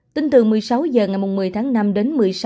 tình thường một mươi sáu h ngày một mươi tháng năm đến một mươi sáu h